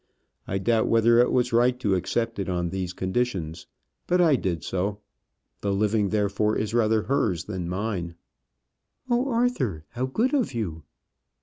I doubt whether it was right to accept it on these conditions; but I did so. The living, therefore, is rather hers than mine." "Oh, Arthur, how good of you!"